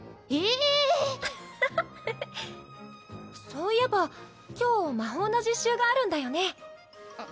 そういえば今日魔法の実習があるんだよね？